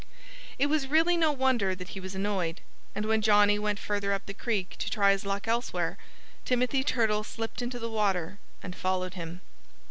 It was really no wonder that he was annoyed. And when Johnnie went further up the creek to try his luck elsewhere Timothy Turtle slipped into the water and followed him.